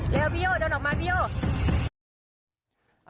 เร็วพี่โยเดินออกมาพี่โย